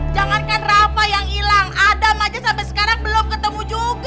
jangankan rafa yang hilang adam aja sampai sekarang belum ketemu juga